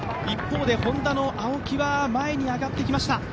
一方でＨｏｎｄａの青木は前に上がってきました。